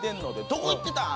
どこ行ってたん？」